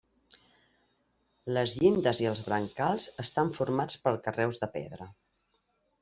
Les llindes i els brancals estan formats per carreus de pedra.